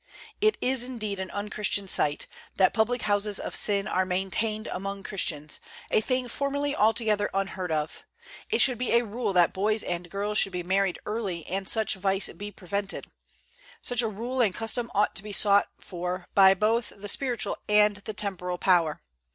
It is indeed an unchristian sight, that public houses of sin are maintained among Christians, a thing formerly altogether unheard of. It should be a rule that boys and girls should be married early and such vice be prevented. Such a rule and custom ought to be sought for by both the spiritual and the temporal power.